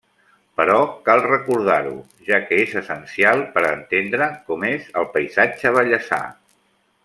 Però cal recordar-ho, ja que és essencial per a entendre com és el paisatge vallesà.